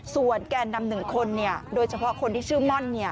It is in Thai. ส่วนแก่นำ๑คนโดยเฉพาะคนที่ชื่อม่อนเนี่ย